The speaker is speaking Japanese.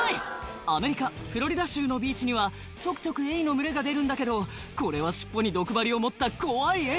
アメリカフロリダ州のビーチにはちょくちょくエイの群れが出るんだけどこれは尻尾に毒針を持った怖いエイ